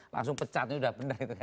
langsung pecat ini udah benar